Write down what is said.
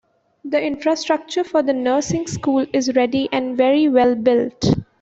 The infrastructure for the nursing school is ready and very well built.